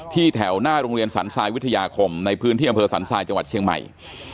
แถวหน้าโรงเรียนสรรทรายวิทยาคมในพื้นที่อำเภอสันทรายจังหวัดเชียงใหม่